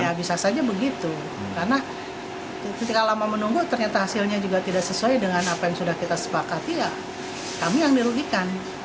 ya bisa saja begitu karena ketika lama menunggu ternyata hasilnya juga tidak sesuai dengan apa yang sudah kita sepakati ya kami yang dirugikan